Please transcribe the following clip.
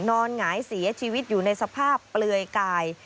หงายเสียชีวิตอยู่ในสภาพเปลือยกาย